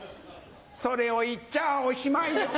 それを言っちゃあおしまいよ。